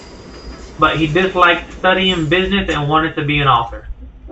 But he disliked studying business and wanted to be an author.